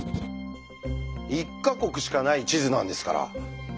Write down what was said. １か国しかない地図なんですから。